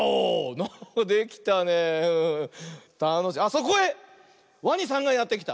そこへワニさんがやってきた。